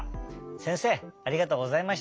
せんせいありがとうございました。